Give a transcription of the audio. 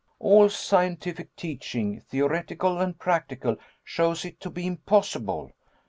"All scientific teaching, theoretical and practical, shows it to be impossible."